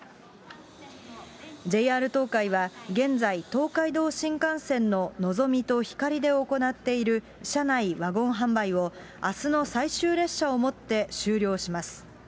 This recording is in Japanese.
ＪＲ東海は、現在、東海道新幹線ののぞみとひかりで行っている車内ワゴン販売を、あすの最終列車をもって終了します。